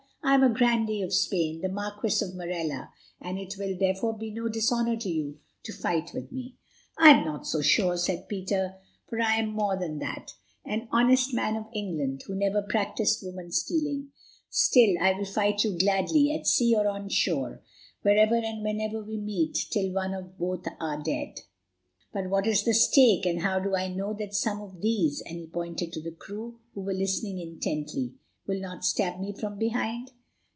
I am a grandee of Spain, the Marquis of Morella, and it will, therefore, be no dishonour for you to fight with me." "I am not so sure," said Peter, "for I am more than that—an honest man of England, who never practised woman stealing. Still, I will fight you gladly, at sea or on shore, wherever and whenever we meet, till one or both are dead. But what is the stake, and how do I know that some of these," and he pointed to the crew, who were listening intently, "will not stab me from behind?"